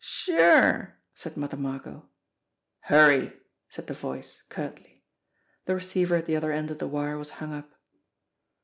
"Sure !" said Mother Margot. "Hurry!" said the voice, curtly. The receiver at the other end of the wire was hung up.